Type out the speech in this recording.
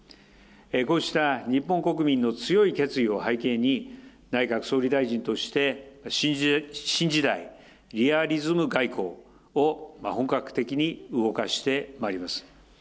こうした日本国民の強い決意を背景に、内閣総理大臣として新時代リアリズム外交を本格的に動かしてまいります。